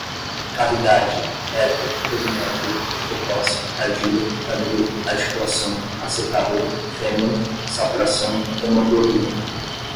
cavidade, reto, perimétrio, precoce, tardia, quadril, articulação, acetábulo, fêmur, saturação, hemoglobina